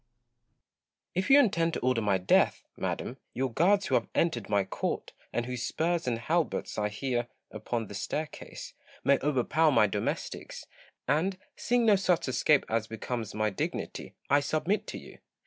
Gaunt. If you intend to order my death, madam, your guards who have entered my court, and whose spurs and halberts I hear upon the staircase, may overpower my domestics ; and, seeing no such escape as becomes my dignity, I submit to you.